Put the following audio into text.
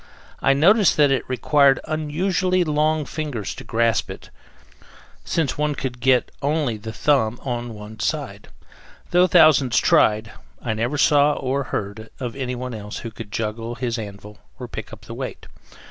I noticed that it required unusually long fingers to grasp it, since one could get only the thumb on one side. Though thousands tried, I never saw, or heard, of anyone else who could juggle his anvil or pick up the weight.